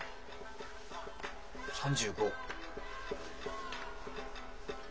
３５。